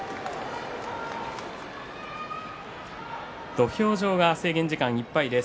土俵上は制限時間いっぱいです。